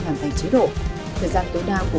hoàn thành chế độ thời gian tối đa của